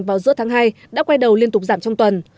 vào giữa tháng hai đã quay đầu liên tục giảm trong tuần